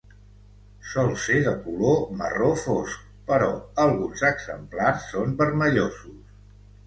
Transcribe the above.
Sol ser de color marró fosc, però alguns exemplars són vermellosos.